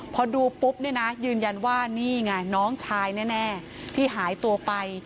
พอดูปุ๊บเนี่ยนะยืนยันว่านี่ไงน้องชายแน่ที่หายตัวไป